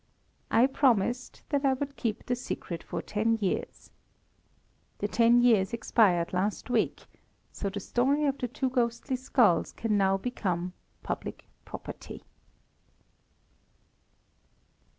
I promised that I would keep the secret for ten years. The ten years expired last week, so the story of the two ghostly skulls can now become public property.